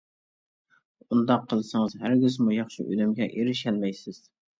ئۇنداق قىلسىڭىز ھەرگىزمۇ ياخشى ئۈنۈمگە ئېرىشەلمەيسىز.